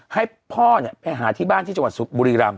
ให้พ่อไปหาที่บ้านที่จังหวัดบุรีรำ